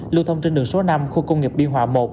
lưu thông trên đường số năm khu công nghiệp biên hòa một